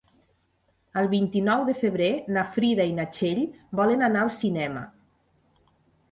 El vint-i-nou de febrer na Frida i na Txell volen anar al cinema.